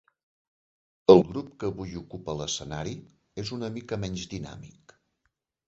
El grup que avui ocupa l'escenari és una mica menys dinàmic.